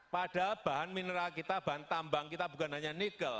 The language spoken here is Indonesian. padahal bahan mineral kita bahan tambang kita bukan hanya nikel